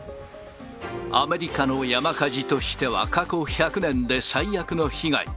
アメリカの山火事としては過去１００年で最悪の被害。